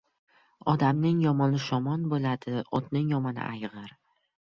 • Odamning yomoni shomon bo‘ladi, otning yomoni — ayg‘ir.